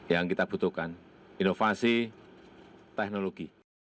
yang kita butuhkan inovasi teknologi